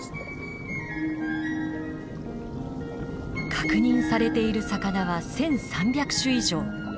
確認されている魚は１，３００種以上。